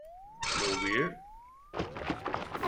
No Beer?".